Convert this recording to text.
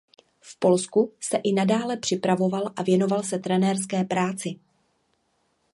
V Polsku se i nadále připravoval a věnoval se trenérské práci.